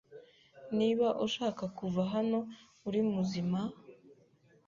Niba ushaka kuva hano uri muzima,